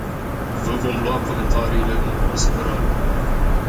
Vă vom lua comentariile în considerare.